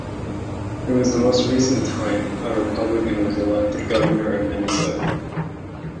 It was the most recent time a Republican was elected governor of Minnesota.